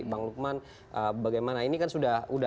bang lukman bagaimana ini kan sudah